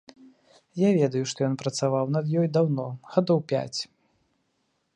Я ведаю, што ён працаваў над ёй даўно, гадоў пяць.